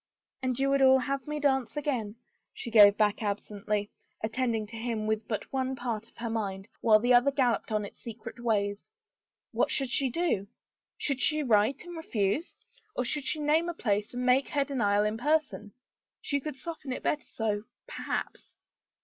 " And you would all have me dance again," she gave back absently, attending to him with but one part of her mind, while the other galloped on its secret ways. What should she do ? Should she write and refuse — or should she name a place and make her denial in person? She could soften it better so — perhaps.